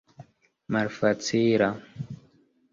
malfacila